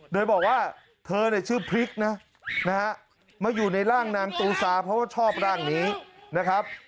โดยบอกว่าเธอเนี่ยชื่อพริกนะนะฮะมาอยู่ในร่างนางตูซาเพราะว่าชอบร่างนี้นะครับ